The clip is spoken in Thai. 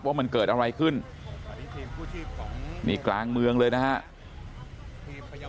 ว่ามันเกิดอะไรขึ้นนี่กลางเมืองเลยนะครับ